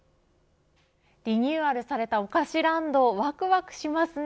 リニューアルされたおかしランドわくわくしますね。